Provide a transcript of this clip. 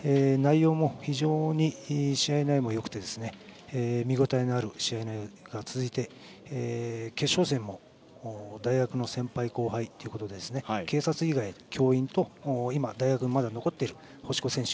非常に試合内容もよくて見応えのある試合内容が続いていて、決勝戦も大学の先輩・後輩ということで警察以外、教員とまだ大学に残っている星子選手